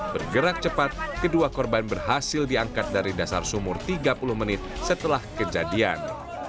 bergerak cepat kedua korban berhasil diangkat dari dasar sumur tiga puluh menit setelah kejadian